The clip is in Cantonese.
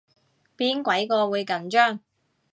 邊鬼個會緊張